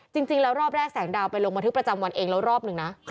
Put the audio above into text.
จริงแล้วรอบแรกแสงดาวไปลงบันทึกประจำวันเองแล้วรอบหนึ่งนะ